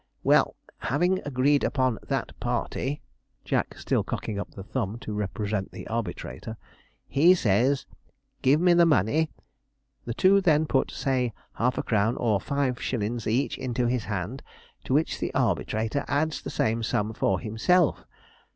Well, having agreed upon that party' (Jack still cocking up the thumb to represent the arbitrator), 'he says, "Give me money." The two then put, say half a crown or five shillin's each, into his hand, to which the arbitrator adds the same sum for himself.